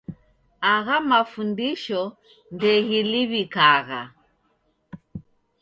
Agha mafundisho ndeghiliw'ikagha